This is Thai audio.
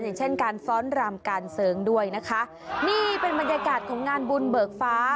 อย่างเช่นการฟ้อนรำการเสริงด้วยนะคะนี่เป็นบรรยากาศของงานบุญเบิกฟ้า